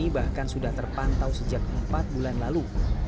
bahkan sudah terpantau sejak empat bulan lalu